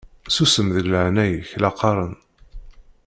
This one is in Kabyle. Susem deg leɛnaya-k la qqaṛen!